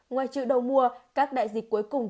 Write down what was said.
ngoài trừ đậu mùa các đại dịch cuối cùng